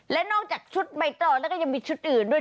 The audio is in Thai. และนอกจากชุดใบตองแล้วก็ยังมีชุดอื่นด้วย